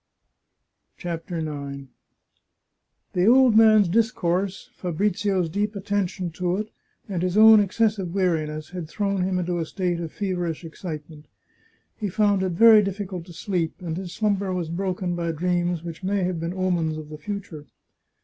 CHAPTER IX The old man's discourse, Fabrizio's deep attention to it, and his own excessive weariness, had thrown him into a state of feverish excitement. He found it very difficult to sleep, and his slumber was broken by dreams which may have been omens of the future.